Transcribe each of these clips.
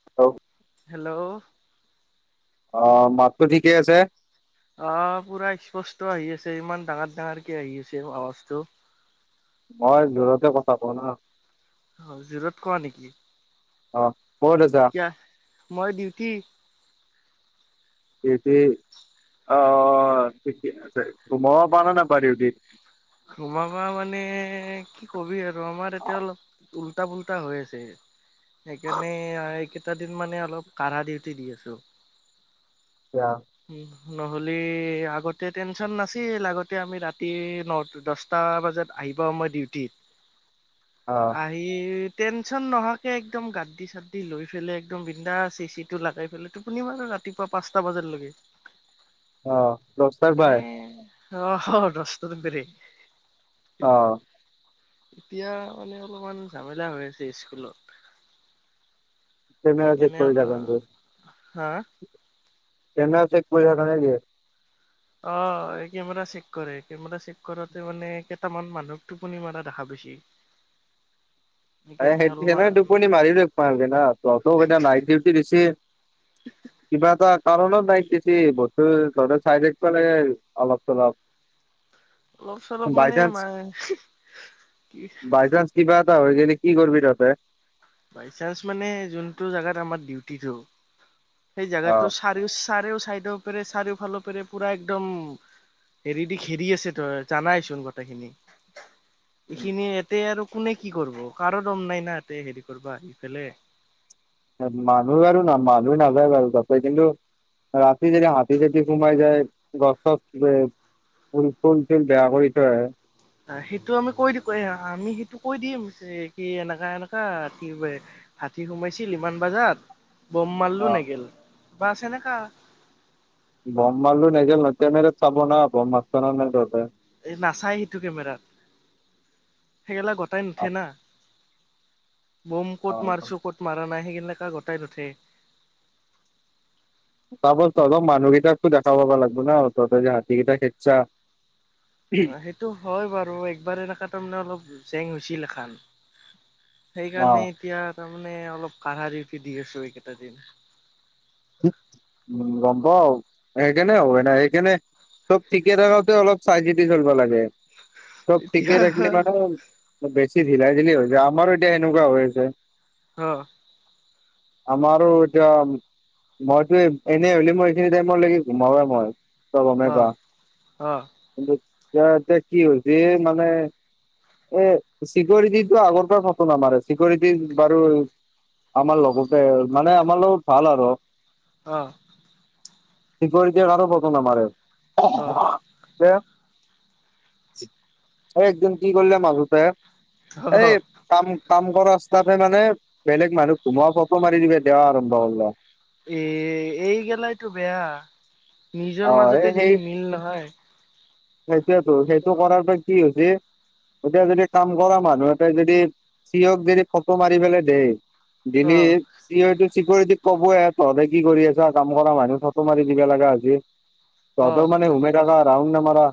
[unintelligible] Hello. অ' মাততো ঠিকেই আছে। অ' পুৰা স্পষ্ট আহি আছে ইমান ডাঙৰ ডাঙৰকে আহি আছে আৱাজটো। মই জোৰতে কথা কওঁ ন। অ' জোৰত কোৱা নেকি। অ' ক'ত আছা? সেই মই দিউটি এতি [unintelligible] সোমাবা মানে কি কবি আৰু আমাৰ এতিয়া অলপ উল্টা পুল্টা হৈ আছে সেইকাৰণে এইকেইটা দিন মানে অলপ কাঢ়া ডিউটি দি আছোঁ এয়া উ নহ'লে আগতে টেনচন নাছিল আগতে আমি ৰাতি ন দছটা বজাত আহি পাওঁ মই ডিউটিত। অ হেৰি টেনশ্যন নহোৱাকৈ একদম গাদ্ডি চাদ্ডি লৈ পেলাই একদম বিন্দাচ চি চিটো লগাই পেলাইতো আপুনি বাৰু ৰাতিপুৱা পাঁচটা বজালৈকে অ দহটাত পাই নে অ স [unintelligible] অ এতিয়া মানে অলপমান ঝামেলা হৈ আছে স্কুলত কেমেৰা চেক একেনে কৰি থাকা নেকি? [unintelligible] হা [unintelligible] অ এই কেমেৰা চেক কৰে কেমেৰা চেক কৰাতে মানে কেইটামান মানুহক টোপনি মৰা দেখা পাইছি [unintelligible] এই সেই অলপমান সেনেকে টোপনি মাৰি দে পাওঁগে না ত এতিয়া নাইট ডিউটি দিছি [unintelligible] কিবা এটা কাৰণত নাই বেছি বস্তু ধ চাই থাকব লাগে অলপ চলপ অলপ চলপ বাই মানে চান্স কি বাই চান্স কিবা এটা হয় যেনে কি কৰিবি তহঁতে বাই চাঞ্চ মানে যোনটো জগাত মানে আমাৰ ডিউটিটো সেই জাগাটো চাৰেও চাইডৰ পেৰে চাৰেও ফালৰ পেৰে পুৰা একদম হেৰি দি ঘেৰি আছে তই জানাইচোন গুটেইখিনি অ এইখিনি ইয়াতে আৰু কোনে কি কৰিব কাৰো দম নাই না ইতে হেৰি কৰিবা সিফালে মানুহ আৰু না মানুহ নাযায় বাৰু তাতেই কিন্তু ৰাতি যদি হাতী যদি সোমাই যায় গছ চছ ফোন ফোন চোন বেয়া কৰি থৈ আহে সেইটো আমি কৈ দি এ আমি সেইটো কৈ দিম কি এনেকা এনেককা কি হাতী সোমাইছিল ইমান বজাত বম মাৰলো অ নেগেল বাছ এনেকা [unintelligible] এই নাচায় সেইটো কেমেৰাত সেইগেলা গটাই অ নুঠে না বম ক'ত মাৰিছো ক'ত মৰা নাই সেই খেলা খাই গতাই নুঠে তাপা তহঁত মানুকেইটাকো দেখা পাব লাগব না তহতৰ যে হাতীকেইটা খেদচা অ সেইটো হয় বাৰু একবাৰ এনেকা তাৰমানে অলপ জেং হৈছিল এখনান অ সেইকাৰণে এতিয়া তাৰমানে অলপ কাঢ়া পি দি আছো এইকেইটা দিন উ গম পাওঁ সেই কাণে হয় না সেই কাণে। চব ঠিকে ৰাখোতে অলপ চাই চিতি চলিব লাগে চব ঠিকে এতিয়া ৰাখিলে মানে বেছি ঢিলাই ঢিলি হৈছে আমাৰো এতিয়া এনেুৱা হৈ আছে অ আমাৰো যন [unintelligible] কিন্তু অ অ এতিয়া তে কি হৈছে মানে এ চিকৰিটিটো আগৰ পৰা ফটো নামাৰে চিকৰিটি বাৰু- আমাৰ লগ গোটেই মানে আমাৰ লগ ভাল আৰু- অহ। চিকৰিটি আৰু ফোঁট নামাৰে অ অ - একদিন কি কৰিলে মাধ- এই- কাম কাম কৰ ৰাস্তাতে মানে বেলেগ মানুহ সোমোৱা ফটো মাৰি দিবে দেয়া আৰম্ভ কৰিলে। এ এই গেলাইতটো বেয়া, অ নিজৰ এই মাজতে সেই যদি মিল নহয়। সেইটোয়েতো সেইটো কৰাৰ পৰা কি হৈছে- এতিয়া যদি কাম কৰা মানুহ এটা যদি, চি অক যদি ফটো মাৰি পেলাই দেই- অ', দিলি- চিৰিতটো চিকিউৰিটিক কব তহঁতে কি কৰি আছা কাম কৰা মানুহ ফটো মাৰি দিবা লগা হৈছে। [unintelligible] তহঁতে মানে ঘুমে থাকা ৰাউণ্ড নামাৰা।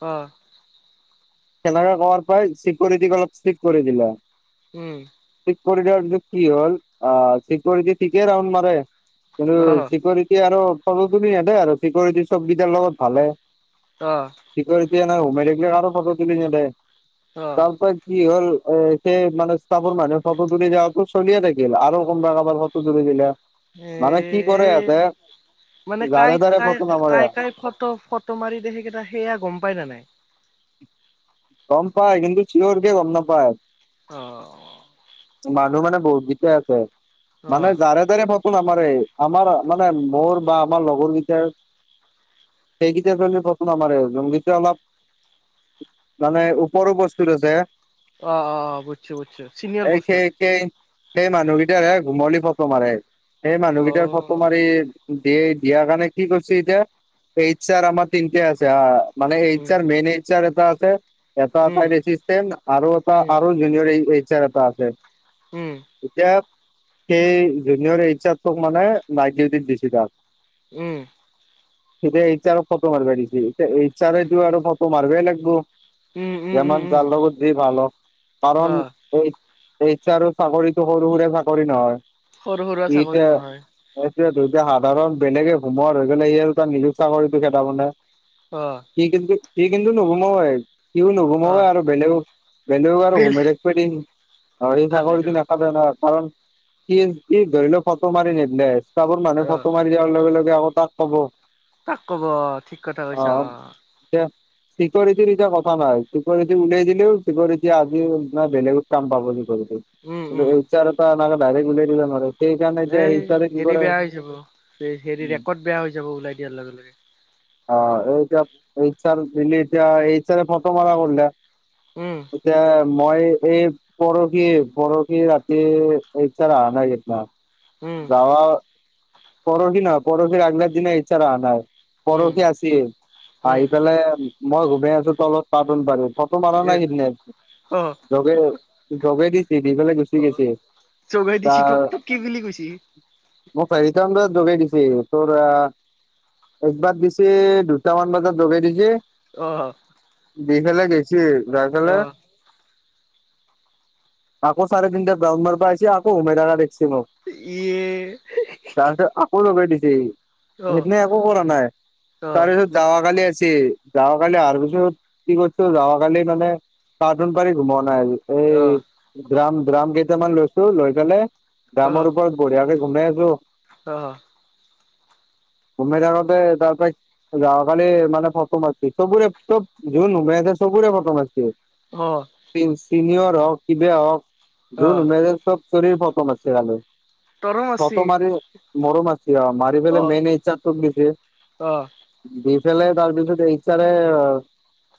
অহ। সেনেকে কয়াৰ পাই চিকৰিটিক অলপ চিক কৰি দিলা। উম। থিক কৰি দিয়াৰ পিছত কি হ'ল অ চিকৰিটি ঠিকেই ৰাউন মাৰে। কিন্তু অ', চিকিৰিটি আৰু ফটো তুলি নেদে আৰু চিকিউৰিটি চবকেইটাৰ লগত ভালে। অহ। চিকিউৰিটি এনেকে ঘুমে থাকিলে কাৰোঁ ফটো তুলি নেদে অ', তাৰ পে- কি হ'ল এ সেই মানে চাপৰ মানুহে ফটো তুলি যাতটো চলিয়ে থাকিল আৰু কোনোবা কাৰোবাৰ লগত - ফটো তুলি দিলে। এ, মানে কি কৰে ইহঁতে মানে কাই যাৰে তাৰে কাই ফটো নামাৰে কাই কাই ফটো ফটো- মাৰি সেই দেহ সেই কেইটা সেয়া গম পাই নাই? গম পায় কিন্তু চিঞৰকে গম নাপায়। অহ। মানুহ মানে বহুত গীতেই আছে, মানে অ', যাৰে- তাৰে ফটো নামাৰে আমাৰ এই আমাৰ মানে মোৰ বা আমাৰ লগৰ কেইটাৰ- সেইকেইটা ফটো নামাৰে যোন কেইটা অলপ- মানে ওপৰো বস্তুত আছে- অ অ বুজিছোঁ - চিনিয়ৰ - এ খেকেই- সেই মানুহকেইটাৰ ঘুমলি ফটো মাৰে, সেই মানুহকেইটাৰ ফটো অ', মাৰি- দিয়ে দিয়াৰ কাৰণে কি কৰিছো এতিয়া, এইছাৰ আমাৰ তিনিকে আছে- মান উম, এইচাৰ মেইন এইচাৰ এটা আছে এটা উম, এটা আৰু এটা উম, আৰু- জুনিয়ৰ এইচাৰ এটা আছে। উম। এতিয়া, সেই জুনিয়ৰ এইছাক মানে নাই ডিউটি দিছে তাত- উম। এতিয়া এইছাৰক আৰু ফটো মাৰিব দিছে এতিয়া এইছাৰে আৰু ফটো মাৰিবে লাগিব। উম, উম, উম, যিমান উম, যাৰ লগত যি ভাল হক, কাৰণ- অ', এই এইছাৰ আৰু চাকৰিতটো সৰু সুৰা চাকৰি নহয়। সৰু সুৰা চাকৰি নহয়। এইটোৱেইটো সাধাৰণ বেলেগে সোমোৱাৰ হৈ গ'লে কিনে সি আৰু নিজে চাকৰিটো খেদাব নে অ সি কিন্তু সি কিন্তু নুহুমাওৱে সিও নোসোমাওৱে অ', আৰু বেলেগক বেলেগক আৰু সোমাই থাকবা দিয়ে নেকি [unintelligible] কাৰণ তাকেতো দে না কাৰণ [unintelligible] কি ধৰিল ফটো মাৰি নেদিলে চাবোৰ মানুহ অ', ফটো মাৰি যোৱাৰ লগে লগে আকৌ তাক কব তাক কব ঠিক কথা কৈছা এতিয়া চিকিউৰিটি এতিয়া কথা নাই চিকউৰিটি উলিয়াই দিলেও চিকউৰিটা আজি নাই বেলেগত কাম পাব সি কৰিলো উম, কিন্তু উম, এইচাৰ এটা এনকে দাইৰেক উলিয়াই দিলে নোৰে এ হেৰি বেয়া হৈ যাব হেৰি ৰেকৰ্ড বেয়া হৈ যাব ওলাই দিয়াৰ লগে লগে অ এতিয়া এইচ আৰ ভিলি এতিয়া এইচাৰে ফটো মাৰা কৰিলে উম এতিয়া মই এই পৰ খি পৰখি ৰাতি ইচ্ছাৰ অহা নাই সেইদিনা উম যাৱা পৰহি ন পৰখীৰ আগদিনাই ইচ্ছাৰ অহা নাই উম পৰহি আছিল উম। আহি পেলাই মই ঘুমাই আছো তলত কাৰ্টুন পাৰি ফটো মাৰা এ নাই সেইদিনে অ যোগে যোগে দি সি দিবলে গুচি অ গৈছে চগাই দিছি তোক তাৰ তোক কি বুলি কৈছি মোক চাৰিটামান বজাত যগাই দিছে তোৰ আ একবাৰ দিছে দুটামান বজাত যগাই দিছে অ দিন হলে গৈছি যাই পেলে অ আকৌ চাৰে তিনিটাত গ্ৰাউডাৰ পৰা আহিছে আকৌ সোমাই থকা দেখছি মোক ইয়ে তাৰপিছত আকৌ লগাই দিছে অ সেইদিনা একো কৰা নাই অ তাৰপিছত যাৱা কালি আছে যাৱা কালি আহাৰ পিছত কি কৰছো যাৱা কালি মানে কাৰ্টুন পাৰী ঘুমা নাই আজি অ এই ড্ৰাম ড্ৰাম কেইটামান লৈছো লৈ পেলাই ড্ৰামৰ ওপৰত বঢ়িয়াকে ঘুমাই আছো। অহ ঘুমাই থাকোঁতে তাৰপৰা যোৱা কালি মানে ফটো মাৰছো চবৰে চব জুন সোমাই আছে চবৰে ফটো মাৰছো অ চিন চিনিয়ৰ হওক কিবা হওক অ যোন সোমাই আছে চবৰে ফটো মাৰছো কালি তৰো মাৰছি ফটো মাৰি মোৰো মাৰছি অ মাৰি অ পেলাই মেইন ইচ্ছাত তোক দিছে অ দি পেলে তাৰ পিছতে ইচ্ছাৰে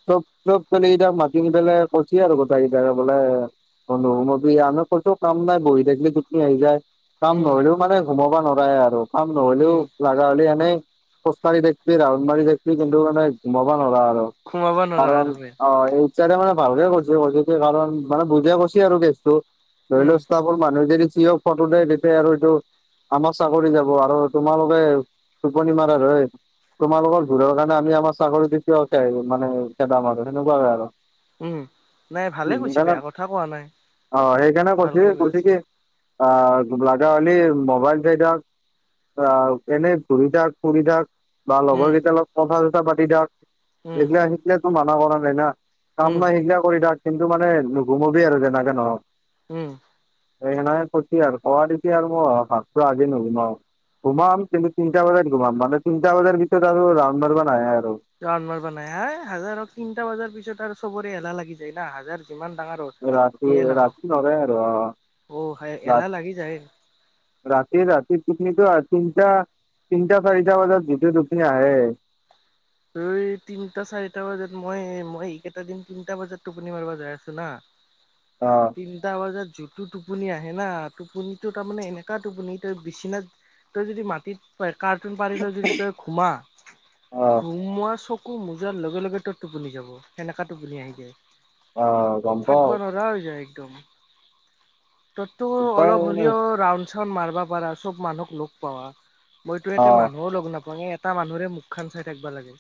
তোক তোক যদি এতিয়া মাতি নি পেলে পঠিয়া লগত চাৰিতাৰে বোলে মই নোহোমাতো [unintelligible] কৈছো কাম নাই বহি থাকিলে গুটনি আহি যায় কাম উম নহলেও মানে সোমাব নোৱাৰাই আৰু কাম নহলেও উম। লাগ জালি এনেই খোজকাঢ়ি থাকিবি ৰাউন মাৰি থাকিবি কিন্তু মানে ঘুমাবা নোৱাৰা আৰু সোমাব নোৱাৰা আৰু কাৰণ মে অ এই যাতে মানে ভালকে কৰিছে হ'ল যেতিয়া কাৰণ মানে বুজাই কৈছি আৰু কেছটো ধৰি উম লও চব মোৰ মানুহ যদি চিয়ক ফটো দে দিবে আৰু এইটো আমাৰ চাকৰি যাব আৰু তোমালোকে টোপনি মাৰাৰ হয় তোমালোকৰ ভুলৰ কাৰণে আমি আমাৰ চাকৰিটো কিয় হেৰাম মানে হেৰাম আৰু সেনেকুৱা হৈ হয় আৰু নাই ভালে কৈছ সেইকাৰণে বেয়া কথা কোৱা নাই সেইকাৰণে কৈছে ভালকে কৈছে বুজাইছে কি অ লাগা হলে মোবাইল [inaudible] অ এনেই ঘূৰি থাক ফুৰি থাক বা উম লগৰ কেইটা লগত কথা চথা পাতি থাক উম সেইগিলাক সিলেতো মানা কৰা নাই না কাম উম নাই সিগিলা কৰি থাক কিন্তু মানে নুঘুমোবি আৰু যেনেকে নহক উম এ সনেে কছ আৰু ক দিছ আৰু মই ভাতটো আজি নলোম আৰু [inaudible] সোমাম কিন্তু তিনিটা বজাত সোমাম মানে তিনিটা বজাৰ ভিতৰত আৰু ৰাউড মাৰিব নাহে আৰু মাৰ ব নাই হাই হাজাৰক তিনটা বজাৰ পিছত আৰু চবৰে এলাহ লাগি যায় না হাজাৰ ইমান ডাঙৰ হ ৰাতি সিয়ে ৰাতি নৰে আৰু অ নহওক অ ৰা এলাহ লাগি যায় ৰাতি ৰাতি পিকনিক তিনটা তিনটা চাৰিটা বজাত [inaudible] ই তিনটা চাৰিটা বজাত মই মই এই কেইটা দিন তিনিটা বজাত টোপনি মাৰিবা যাই আছো না [unintelligible] অ তিনিটা বজাত যোনটো টোপনি আহে না টোপনিটো তাৰমানে এনেকুৱা টোপনি তাই বিচনাত তই যদি মাটিত কাৰ্টুন পাৰিলৈ যদি তই ঘুমা অ ঘুমোৱা চকু মোজাৰ লগে লগে তই টোপনি যাব সেনেকা টোপনি আহি অ যায় গম পাও থাকবা নোৱাৰা হৈ যায় একদম তইতো উপায় অলপ নাই হ'লেও ৰাউড চাউড মাৰিবা পাৰা চব মানুহক পাৱা মইতো অ এতিয়া মানুহো লগ নাপায়ে এটা মানুহৰে মুখ খান চাই থাকিব লাগে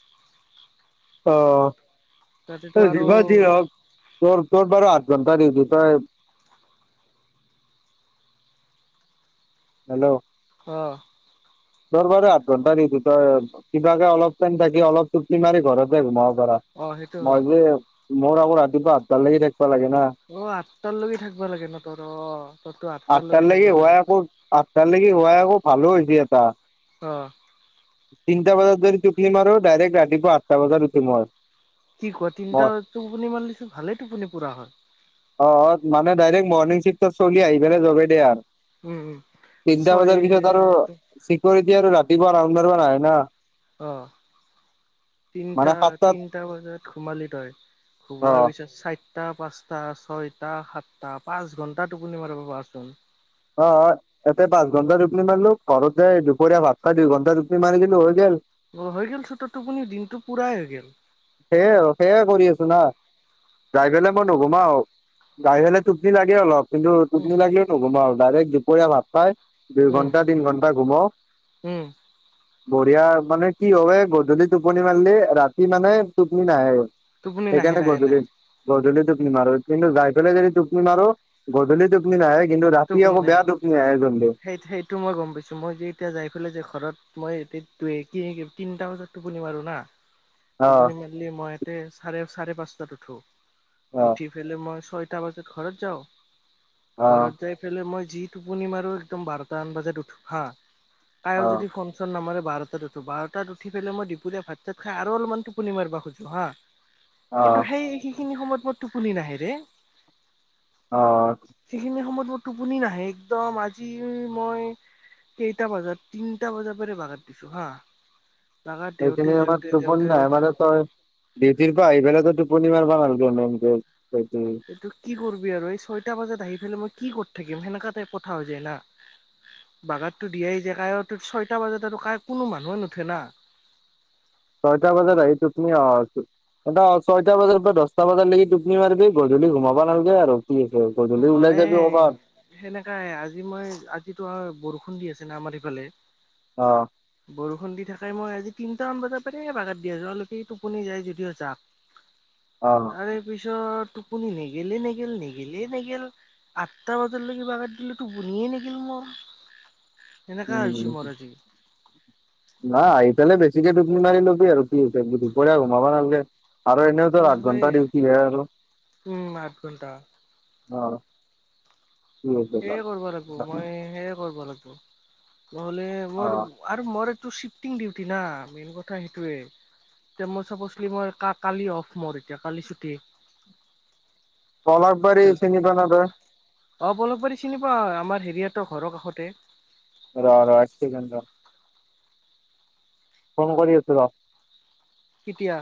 তাতেতো অ আৰু যিমান যিহক তোৰ তোৰ বাৰু আঠ ঘণ্টা ডিউটি তই হেল্ল' ক তোৰবাৰু আঠ ঘণ্টা ডিউটি তই কিবাকে অলপ টাইম থাকি অলপ তুপি মাৰি ঘৰতে ঘোমাব পাৰা অ সেইটো হয়। মই যে মোৰ আকৌ ৰাতিপুৱা আঠতালৈকে থাকিবা লাগে না অ আঠটা লৈকে থাকিব লাগে ন তহতৰ আঠটালৈকে হৈ আকৌ আঠটা লৈকে হোৱাই আকৌ ভালো হৈছে এটা অ তিনটা বজাত যদি টোপনি মাৰো ডাইৰেক ৰাতিপুৱা আঠটা বজাত উঠিম মই কি ক তিনটা মই টোপনি মাৰলিছোন ভালেই টোপনি পুৰা হয় অ অ মানে ডাইৰেক্ট মৰনিং চিফ্টটো চলি আহি পেলাই জগাই দিয়ে আৰু উম ছয়টো চিকৰিতি আৰু ৰাতিপুৱা ৰাউণ্ডাৰত নাহে না অ মানে তিনিটা সাতটাত তিনটা বজাত ঘুমালি তই অ ঘুমোৱাৰ পিছত চাইত সাতটা পাঁচটা ছয়টা সাতটা পাঁচ ঘণ্টা টোপনি মাৰব পাৰচোন অ হয় এতে পাচঁ ঘণ্টা টোপনি মাৰলো ঘৰতে দুপৰীয়া ভাত খাই দুই ঘণ্টা টোপনি মাৰি দিলো হৈ গেল অ হৈ গেল চোত টোপনি দিনতটো পুৰাই হৈ গেল সেইয়াই সেয়াই কৰি আছো না যাই বেলে ক'ত নঘোমাও জাই বেলে টোপনি লাগে অলপ কিন্তু উম, টোপনি লাগলিও নঘোমাও ডাইৰেক্ট দুপৰীয়া ভাত খাই দুই উম, ঘন্টা তিন ঘণ্টা ঘোমাও উম, বঢিয়া মানে কি হয় গধূলি টোপনি মাৰলি ৰাতি মানে টোপনি নাহে টোপনি নাহে, সেইকাৰণেতো নাহে, গধূলি নাহে, গধূলি টোপনি মাৰো কিন্তু যাই পেলে যদি টোপনি মাৰো গধূলি টোপনি নাহে কিন্তু ৰাতি টোপনি আকৌ নাহে। বেয়া টোপনি আহে কিন্তু সেই সেইটো মই গম পাইছোঁ মই যে এতিয়া যাই পেলে যে ঘৰত মই এতে তিনটা বজাত টোপনি মাৰো না অ টোপনি মাৰ-লে মই ইতে চাৰে চাৰে পাঁচটাত উঠো অ উঠি ফেলে মই ছয়টা বাজাত ঘৰত যাওঁ অ ঘৰত যাই ফেলে মই যি টোপনি মাৰো একদম বাৰটান বজাত উঠো হা কায়অ অ যদি ফুন ফ'ন চ'ন নামৰে বাৰটাত উঠো বাৰটাত উঠি পেলাই মই দিপুৰীয়া ভাত চাত খাই আৰু অলমান টোপনি মাৰবা খোজোঁ হা অ কিন্তু সেই সেইখিনি সময়ত মোৰ টোপনি নাহে ৰে অ সেইখিনি সময়ত মোৰ টোপনি নাহে একদম আজি মই কেইটা বজাত তিনটা বজাৰ পৰে বাগাৰ দিছো হা বাগাৰ দেউতে এইখিনি আমাৰ দেউতে টোপনি দেউতে নাহে দেউতে মানে তই ডিউটিৰ পৰা আহি পেনে তই টোপনি মাৰবা নালগে মেনকে সেইটোৱেই এইটো কি কৰিবি আৰু এই ছয়টা বজাত আহি পেলাই মই কি কৰি থাকিম সেনকা টাইপ কথা হৈ যায় না বাগাৰটো দিয়াই যাই কাই ছয়টা বজাতো কাই কোনো মানুহ নুঠে না ছয়টা বজাত আহিছো তুমি অহাৰ পিছত এটা ছইটা বজাৰ পৰা দছটা বজাৰ লাগি টোপনি মাৰিবি গধূলি ঘুমাবা নাল-গে আৰু ঠিক হে গধূলি ওলাই যাবি হয় কবাত সেনেকাই আজি মই আজিতো আৰু বৰষুণ দি আছে না আমাৰ ইফালে অ বৰষুণ দি থাকাই মই আজি তিনটামান বাজাৰ পাই বাগাৰ দি আছো অলপ যদি টোপনি যায় যদিও যাক অ' তাৰে পিছত টোপনি নেগেলে নেগেল নেগেল টোপনিয়ে নেগেল আঠটা বজালৈকে বাগান দিলো টোপনিয়ে নেগেল মোৰ সেনেকা হৈছে মোৰ আজি নাই আহি পেলাই বেছিকে টুপনি মাৰি ল'বি আৰু কিতে দুপৰীয়া ঘোমাবা নালগে আৰু এনেও অ তোৰ আঠ সেই ঘণ্টা ডিউটি হে আৰু উম আঠ ঘন্টা অ কি হৈছে সেয়ে কৰিব লাগব মই সেয়ে কৰিব লাগব নহলে মৰ অ' আৰু মৰ এইটো চিফটিং ডিউটি না মেইন কথা সেইটোৱে এতিয়া মই চপচলি মই কা কালি অফ মৰ এতিয়া কালি ছুটি পলাস বাৰী চিনি পাও নে তই অ পলাসবাৰী চিনি পাও আমাৰ হেৰি হতৰ ঘৰৰ কাষতে ৰ' ৰ' একচেকেণ্ড ৰ ফ'ন কৰি আছো ৰ কেতিয়া